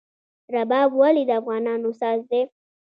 رباب ولې د افغانانو ساز دی؟